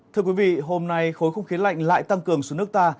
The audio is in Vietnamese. thưa quý vị hôm nay khối không khí lạnh lại tăng cường xuống nước ta